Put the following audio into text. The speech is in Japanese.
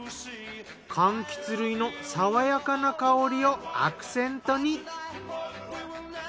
かんきつ類のさわやかな香りをアクセントに。